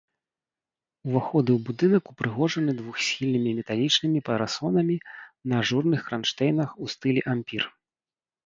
Уваходы ў будынак упрыгожаны двухсхільнымі металічнымі парасонамі на ажурных кранштэйнах у стылі ампір.